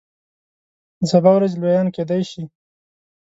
د سبا ورځې لویان کیدای شي.